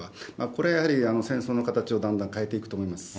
これはやはり戦争の形をだんだん変えていくと思います。